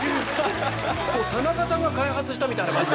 もう田中さんが開発したみたいな感じに。